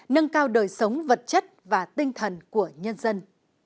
nâng cao đời sống vật chất và tinh thần của nhân dân